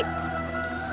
pernah enggak di rumah